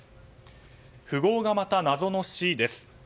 富豪がまた謎の死です。